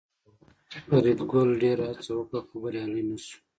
فریدګل ډېره هڅه وکړه خو بریالی نشو